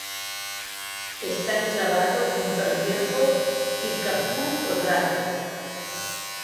Está enclavado junto al viejo "Kickapoo Corral".